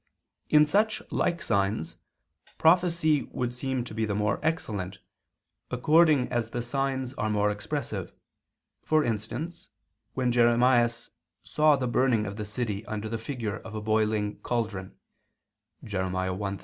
In such like signs prophecy would seem to be the more excellent, according as the signs are more expressive, for instance when Jeremias saw the burning of the city under the figure of a boiling cauldron (Jer. 1:13).